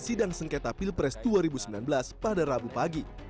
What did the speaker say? sidang sengketa pilpres dua ribu sembilan belas pada rabu pagi